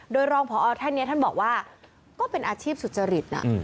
โดยรองพอท่านนี้ท่านบอกว่าก็เป็นอาชีพสุจริตนะ